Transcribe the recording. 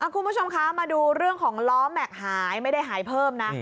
คุณผู้ชมคะมาดูเรื่องของล้อแม็กซ์หายไม่ได้หายเพิ่มนะ